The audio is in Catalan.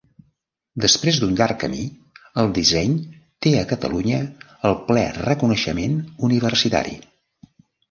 Després d'un llarg camí el disseny té a Catalunya el ple reconeixement universitari.